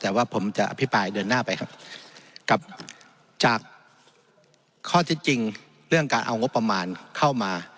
แต่ว่าผมจะอภิปรายเดินหน้าไปครับกับจากข้อเท็จจริงเรื่องการเอางบประมาณเข้ามา